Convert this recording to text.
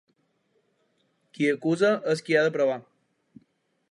Qui acusa és qui ha de provar.